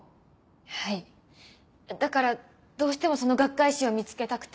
はいだからどうしてもその学会誌を見つけたくて。